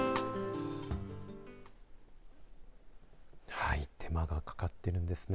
はい手間がかかっているんですね。